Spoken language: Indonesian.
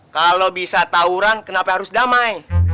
kalau bisa tawuran kenapa harus damai